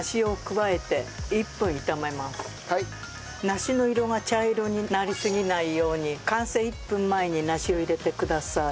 梨の色が茶色になりすぎないように完成１分前に梨を入れてください。